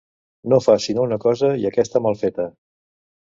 No fa sinó una cosa i aquesta mal feta.